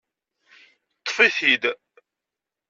Ṭṭef-it-id!